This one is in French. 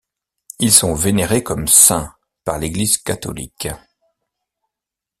Ils sont vénérés comme saints par l'Eglise catholique.